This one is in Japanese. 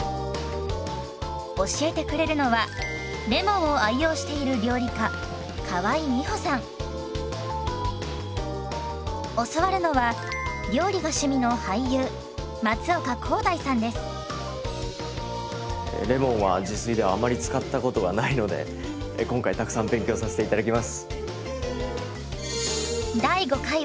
教えてくれるのはレモンを愛用している教わるのはレモンは自炊ではあまり使ったことがないので今回たくさん勉強させて頂きます！